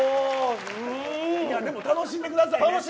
でも、楽しんでくださいね。